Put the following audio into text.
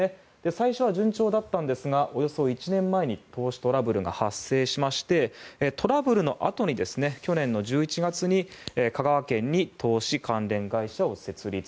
最初は順調だったんですがおよそ１年前に投資トラブルが発生しましてトラブルのあとに去年１１月に香川県に投資関連会社を設立。